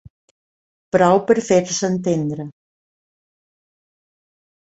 Prou per fer-se entendre.